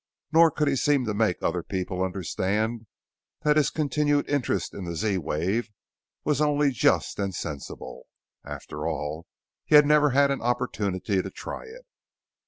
Nor could he seem to make other people understand that his continued interest in the Z wave was only just and sensible. After all, he had never had an opportunity to try it.